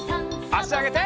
あしあげて。